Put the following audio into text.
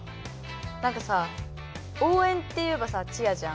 なんかさ応援っていえばさチアじゃん。